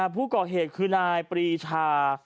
ผู้ก่อเหตุคือนายปรีชา